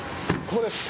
ここです。